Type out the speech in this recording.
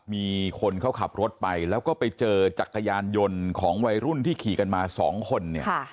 มีคนเขาขับรถไปแล้วก็ไปเจอจักรยานยนต์ของวัยรุ่นที่ขี่กันมาสองคนเนี่ย